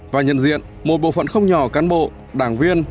và nhận diện một bộ phận không nhỏ cán bộ đảng viên